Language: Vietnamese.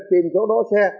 tìm chỗ đốt xe